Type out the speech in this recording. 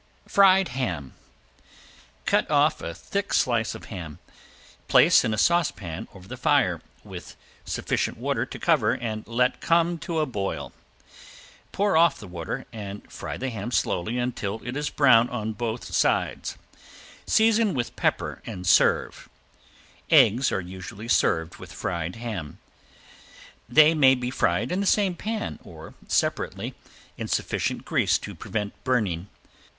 ~FRIED HAM~ Cut off a thick slice of ham. Place in a saucepan over the fire, with sufficient water to cover and let come to a boil. Pour off the water, and fry the ham slowly until it is brown on both sides. Season with pepper and serve. Eggs are usually served with fried ham. They may be fried in the same pan or separately, in sufficient grease to prevent burning.